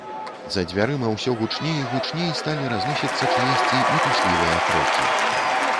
За дзвярыма ўсё гучней і гучней сталі разносіцца чыесьці мітуслівыя крокі.